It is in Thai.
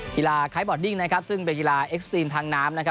คล้ายบอดดิ้งนะครับซึ่งเป็นกีฬาเอ็กซ์ตีนทางน้ำนะครับ